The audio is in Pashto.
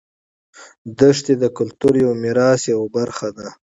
دښتې د کلتوري میراث یوه برخه ده.